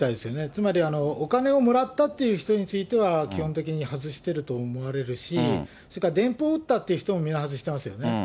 つまりお金をもらったっていう人については、基本的に外していると思われるし、それから電報打ったって人も皆外してますよね。